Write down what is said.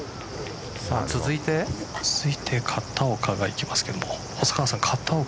続いて片岡がいきますけど。